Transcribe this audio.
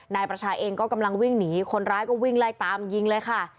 นายประชาเองก็กำลังวิ่งหนีคนร้ายก็วิ่งไล่ตามยิงเลยค่ะ